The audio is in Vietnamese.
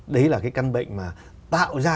đấy là cái căn bệnh mà tạo ra